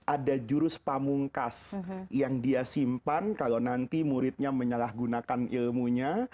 ada jurus pamungkas yang dia simpan kalau nanti muridnya menyalahgunakan ilmunya